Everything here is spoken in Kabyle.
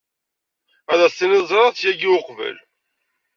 Ad as-tiniḍ ẓriɣ-tt yagi uqbel.